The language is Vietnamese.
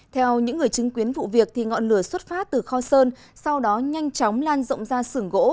theo những người chứng kiến vụ việc ngọn lửa xuất phát từ kho sơn sau đó nhanh chóng lan rộng ra xưởng gỗ